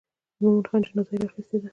د مومن خان جنازه یې راخیستې ده.